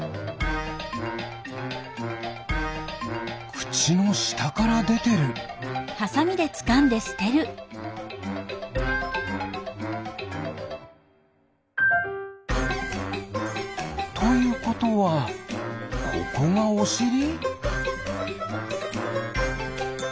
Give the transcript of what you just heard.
くちのしたからでてる。ということはここがおしり？